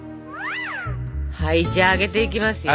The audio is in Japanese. はいじゃあ揚げていきますよ。